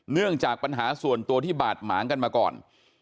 เนื่องจากปัญหาส่วนตัวที่บาดหมางกันมาก่อน